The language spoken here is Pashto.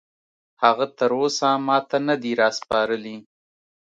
هغه تراوسه ماته نه دي راسپارلي